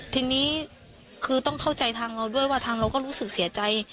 ทีนี้คือต้องเข้าใจทางเราด้วยว่าทางเราก็รู้สึกเสียใจ